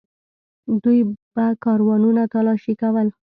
دوی به کاروانونه تالاشي کول.